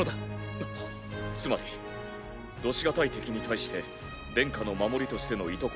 あっつまり度し難い敵に対して殿下の守りとしてのいとこ